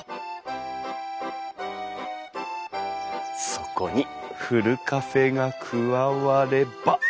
そこにふるカフェが加われば。